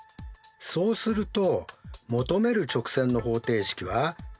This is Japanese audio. そうすると求める直線の方程式はどうなりますか？